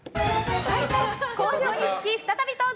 好評につき再び登場。